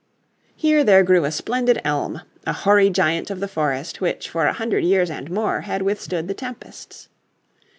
Here there grew a splendid elm, a hoary giant of the forest which for a hundred years and more had withstood the tempests.